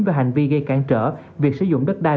về hành vi gây cản trở việc sử dụng đất đai